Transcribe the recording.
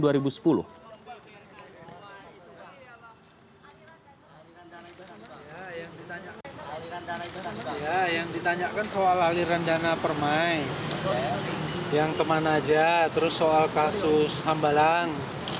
ya yang ditanyakan soal aliran dana permai yang kemana aja terus soal kasus hambalang